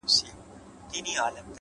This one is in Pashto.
مثبت چلند د چاپېریال رنګ بدلوي’